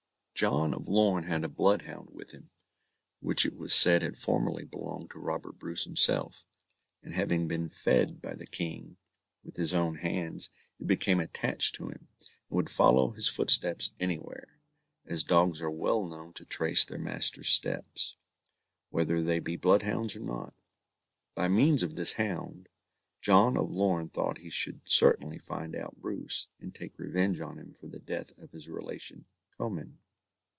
John of Lorn had a bloodhound with him, which it was said had formerly belonged to Robert Bruce himself; and having been fed by the King with his own hands, it became attached to him, and would follow his footsteps anywhere, as dogs are well known to trace their master's steps, whether they be bloodhounds or not. By means of this hound, John of Lorn thought he should certainly find out Bruce, and take revenge on him for the death of his relation Comyn.